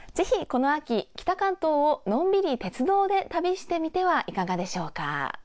この秋、北関東をのんびり鉄道で旅してみてはいかがですか。